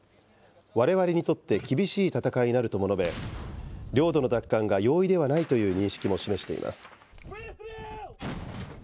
われわれにとって厳しい戦いになるとも述べ、領土の奪還が容易ではないという認識も示しています。